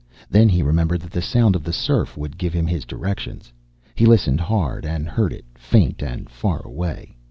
Then he remembered that the sound of the surf would give him his directions. He listened hard and heard it, faint and far away.